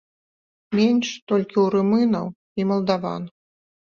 Менш толькі ў румынаў і малдаван.